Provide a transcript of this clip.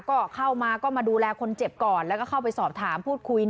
ก็เข้ามาก็มาดูแลคนเจ็บก่อนแล้วก็เข้าไปสอบถามพูดคุย